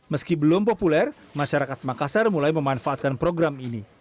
meski belum populer masyarakat makassar mulai memanfaatkan program ini